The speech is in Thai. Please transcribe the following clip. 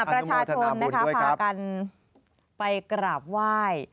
ภาชาชนพากันไปกราบไหว้